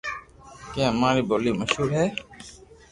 ڪي امري ٻولو مݾھور ھي